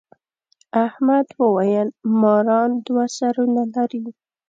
احمد وويل: ماران دوه سرونه لري.